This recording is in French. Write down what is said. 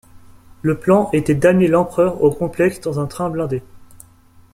Le plan était d'amener l'empereur au complexe dans un train blindé.